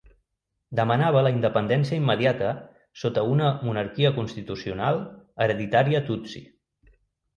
Demanava la independència immediata sota una monarquia constitucional hereditària tutsi.